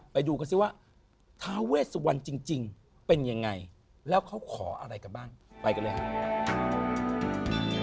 ไปดูกันสิว่าทาเวสวันจริงเป็นยังไงแล้วเขาขออะไรกันบ้างไปกันเลยครับ